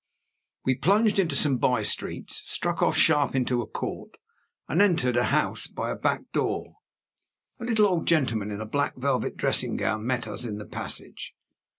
We plunged into some by streets, struck off sharp into a court, and entered a house by a back door. A little old gentleman in a black velvet dressing gown met us in the passage.